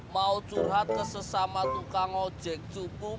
mau curhat ke sesama tukang ojek cupu